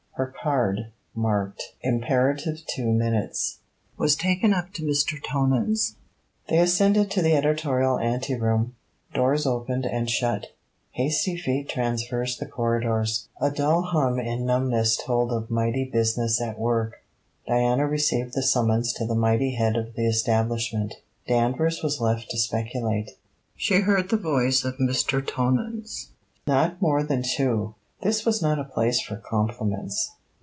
Her card, marked: 'Imperative two minutes,' was taken up to Mr. Tonans. They ascended to the editorial ante room. Doors opened and shut, hasty feet traversed the corridors, a dull hum in dumbness told of mighty business at work. Diana received the summons to the mighty head of the establishment. Danvers was left to speculate. She heard the voice of Mr. Tonans: 'Not more than two!' This was not a place for compliments.